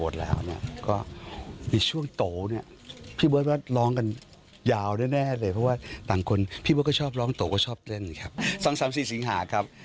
๒๓๔สิงหาครับ